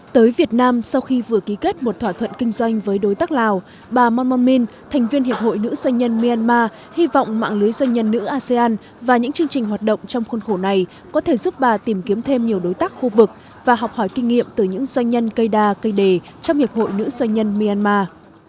tới việt nam sau khi vừa ký kết một thỏa thuận kinh doanh với đối tác lào bà monmomin thành viên hiệp hội nữ doanh nhân myanmar hy vọng mạng lưới doanh nhân nữ asean và những chương trình hoạt động trong khuôn khổ này có thể giúp bà tìm kiếm thêm nhiều đối tác khu vực và học hỏi kinh nghiệm từ những doanh nhân cây đa cây đề trong hiệp hội nữ doanh nhân myanmar